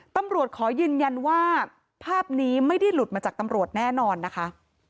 ตำรวจขอยืนยันว่าภาพนี้ไม่ได้หลุดมาจากตำรวจแน่นอนนะคะ